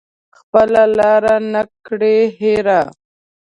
خپله لاره نه کړي هیره